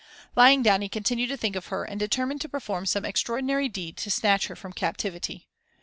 Lying down, he continued to think of her and determined to perform some extraordinary deed to snatch her from captivity.